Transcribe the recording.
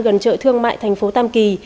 gần chợ thương mại tp tam kỳ